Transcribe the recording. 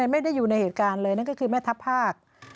ไม่ได้อยู่ในเหตุการณ์เลยนั่นก็คือแม่ทัพภาค